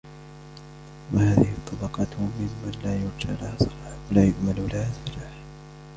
وَهَذِهِ الطَّبَقَةُ مِمَّنْ لَا يُرْجَى لَهَا صَلَاحٌ ، وَلَا يُؤْمَلُ لَهَا فَلَاحٌ